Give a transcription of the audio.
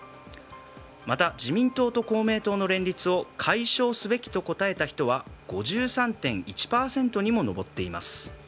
また、自民党と公明党の連立を解消すべきと答えた人は５３．１％にも上っています。